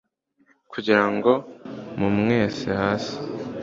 kugira ngo mumwese hasi